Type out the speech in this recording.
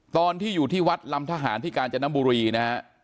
ตอนที่อยู่ที่วัดลำทหารที่กาญจนบุรีนะฮะ